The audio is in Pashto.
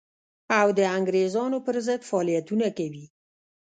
او د انګرېزانو پر ضد فعالیتونه کوي.